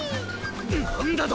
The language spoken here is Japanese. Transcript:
なんだと⁉